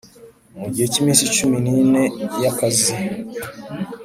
mu gihe cy iminsi cumi n ine y akazi